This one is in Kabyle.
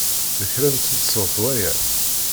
D kra n tseḍsut waya?